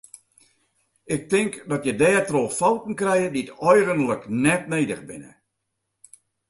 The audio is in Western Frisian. Ik tink dat je dêrtroch fouten krije dy eigenlik net nedich binne.